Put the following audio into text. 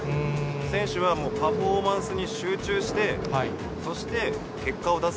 選手はもうパフォーマンスに集中して、そして結果を出す。